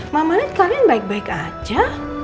mama lihat kalian baik baik aja